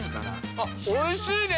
あっおいしいね。